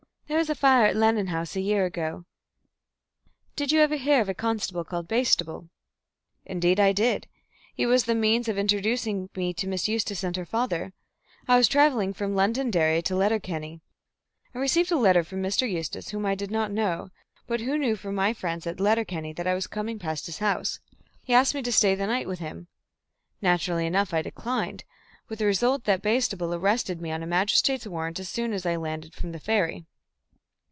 "There was a fire at Lennon House a year ago. Did you ever hear of a constable called Bastable?" "Indeed, I did. He was the means of introducing me to Miss Eustace and her father. I was travelling from Londonderry to Letterkenny. I received a letter from Mr. Eustace, whom I did not know, but who knew from my friends at Letterkenny that I was coming past his house. He asked me to stay the night with him. Naturally enough I declined, with the result that Bastable arrested me on a magistrate's warrant as soon as I landed from the ferry."